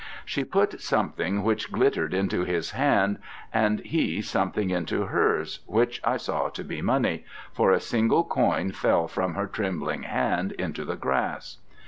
She put something which glittered into his hand, and he something into hers, which I saw to be money, for a single coin fell from her trembling hand into the grass.